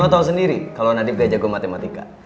tau sendiri kalau nadif gak jago matematika